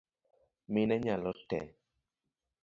Mine nyalo tee